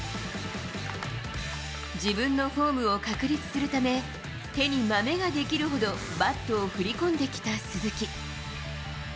自分のフォームを確立するため、手にまめが出来るほどバットを振り込んできた鈴木。